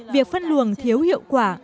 việc phân luồng thiếu hiệu quả